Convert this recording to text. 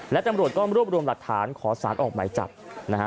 และตำรวจก็รวบรวมหลักฐานขอสารออกหมายจับนะฮะ